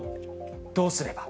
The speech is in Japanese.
どうすれば。